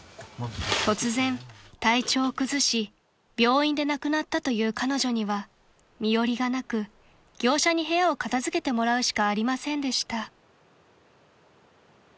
［突然体調を崩し病院で亡くなったという彼女には身よりがなく業者に部屋を片付けてもらうしかありませんでした］